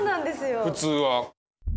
普通は。